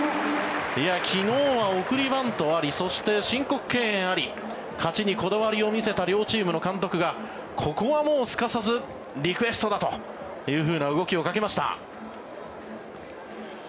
昨日は送りバントありそして、申告敬遠あり勝ちにこだわりを見せた両チームの監督がここはもうすかさずリクエストだというふうな動きをかけました。